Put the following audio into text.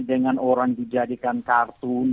dengan orang dijadikan kartun